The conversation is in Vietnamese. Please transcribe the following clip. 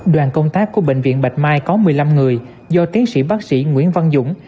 đoàn công tác của bệnh viện bạch mai có một mươi năm người do tiến sĩ bác sĩ nguyễn văn dũng